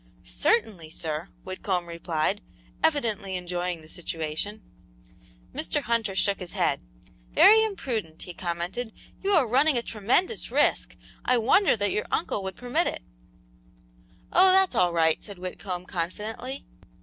"Certainly, sir," Whitcomb replied, evidently enjoying the situation. Mr. Hunter shook his head. "Very imprudent!" he commented. "You are running a tremendous risk. I wonder that your uncle would permit it!" "Oh, that's all right," said Whitcomb, confidently.